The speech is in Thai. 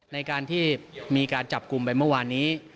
ในการที่มีการจับกลุ่มไปเมื่อวานนี้